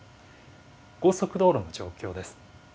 高速道路の状況です。